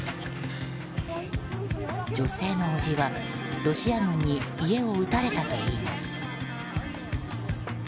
女性の叔父は、ロシア軍に家を撃たれたといいます。